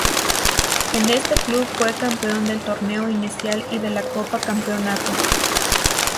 En este club fue campeón del Torneo Inicial y de la Copa Campeonato.